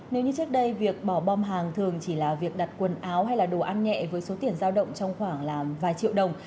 nếu như trước đây việc bỏ bom hàng thường chỉ là việc đặt quần áo hay là đồ ăn nhẹ với số tiền giao động trong khoảng là vài triệu đồng